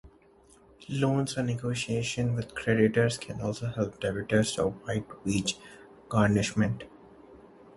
Loans and negotiations with creditors can also help debtors to avoid wage garnishment.